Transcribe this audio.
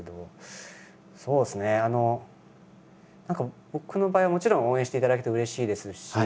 そうですね何か僕の場合はもちろん応援していただけてうれしいですし。